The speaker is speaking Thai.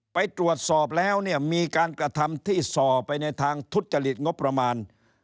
ไปตรวจสอบแล้วเนี่ยมีการกระทำที่ส่อไปในทางทุจริตงบประมาณ